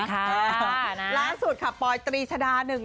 ล่าสุดค่ะปอยตรีชดาหนึ่ง